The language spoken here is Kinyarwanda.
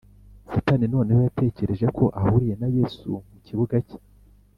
Satani noneho yatekereje ko ahuriye na Yesu mu kibuga cye.